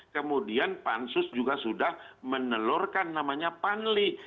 kemudian pansus juga sudah menelurkan namanya panli